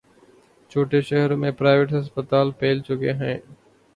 چھوٹے شہروں میں پرائیویٹ ہسپتال پھیل چکے ہیں۔